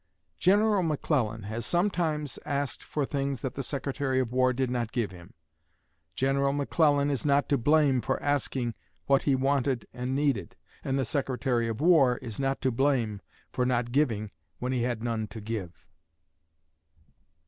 General McClellan has sometimes asked for things that the Secretary of War did not give him. General McClellan is not to blame for asking what he wanted and needed, and the Secretary of War is not to blame for not giving when he had none to give."